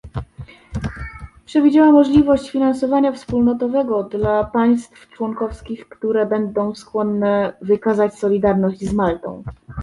Przewidziała możliwość finansowania wspólnotowego dla państw członkowskich, które będą skłonne wykazać solidarność z Maltą